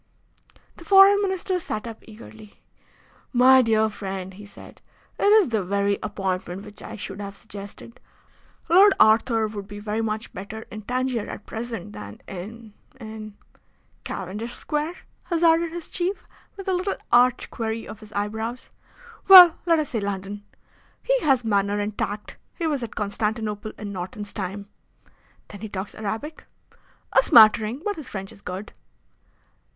The Foreign Minister sat up eagerly. "My dear friend," he said, "it is the very appointment which I should have suggested. Lord Arthur would be very much better in Tangier at present than in in " "Cavendish Square?" hazarded his chief, with a little arch query of his eyebrows. "Well, let us say London. He has manner and tact. He was at Constantinople in Norton's time." "Then he talks Arabic?" "A smattering. But his French is good."